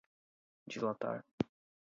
dilatar